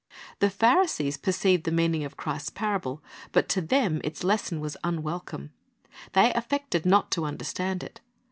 The Pharisees perceived the meaning of Christ's parable; but to them its lesson was unwelcome. They affected not to understand it.